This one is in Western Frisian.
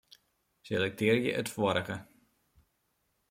Selektearje it foarige.